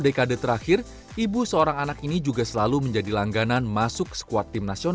jadi semuanya satu sama lain